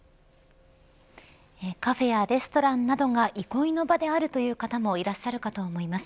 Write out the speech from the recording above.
カフェやレストランなどが憩いの場であるという方もいらっしゃるかと思います。